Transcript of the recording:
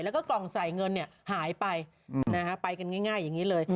แล้วก็กล่องใส่เงินหายไปไปกันง่ายอย่างนี้เลย